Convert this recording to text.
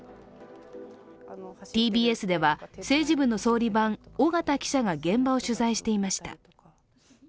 ＴＢＳでは政治部の総理番、緒方記者が現場を取材していました。